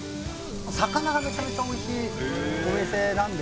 魚がめちゃめちゃおいしいお店なんですよ。